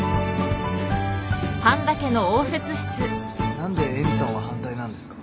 何でえみさんは反対なんですか？